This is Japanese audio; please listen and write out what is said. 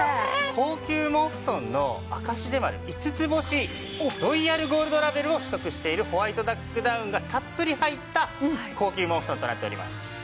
高級羽毛布団の証しでもある５つ星ロイヤルゴールドラベルを取得しているホワイトダックダウンがたっぷり入った高級羽毛布団となっております。